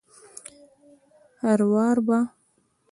هروار به